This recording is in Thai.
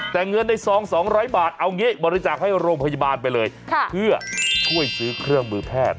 แต่เงินในซอง๒๐๐บาทเอางี้บริจาคให้โรงพยาบาลไปเลยเพื่อช่วยซื้อเครื่องมือแพทย์